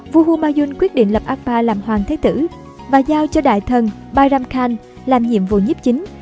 vua humayun quyết định lập akpa làm hoàng thế tử và giao cho đại thần bairam khan làm nhiệm vụ nhíp chính